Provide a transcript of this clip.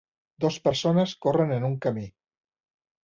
Dos persones corrent en un camí.